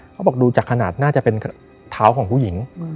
เขาบอกดูจากขนาดน่าจะเป็นเท้าของผู้หญิง